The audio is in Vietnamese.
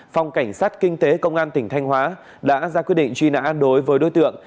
phòng cảnh sát kinh tế công an tỉnh thanh hóa đã ra quyết định truy nã đối với đối tượng